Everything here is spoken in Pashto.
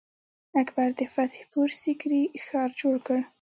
اکبر د فتح پور سیکري ښار جوړ کړ.